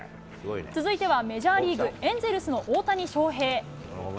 続いてはメジャーリーグ・エンゼルスの大谷翔平。